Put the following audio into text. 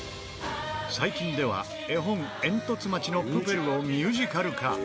最近では絵本『えんとつ町のプペル』をミュージカル化。